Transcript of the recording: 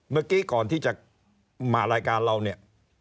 เมื่อกี้ก่อนที่จะมารายการเราเนี่ย